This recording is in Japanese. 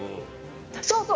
そうそう。